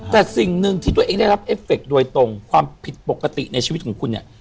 แต่สิ่งหนึ่งที่ตัวเองได้รับเอฟเฟคโดยตรงความผิดปกติในชีวิตของคุณเนี่ย